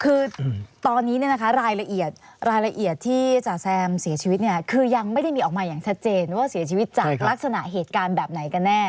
คือตอนนี้เนี่ยนะคะรายละเอียดรายละเอียดที่จ๋าแซมเสียชีวิตเนี่ยคือยังไม่ได้มีออกมาอย่างชัดเจนว่าเสียชีวิตจากลักษณะเหตุการณ์แบบไหนกันแน่